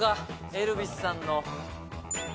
エルヴィスさんの。